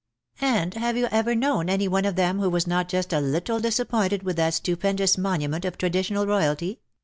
'^ And have you ever known any one of them •who was not just a little disappointed wdth that stupendous monument of traditional royalty?"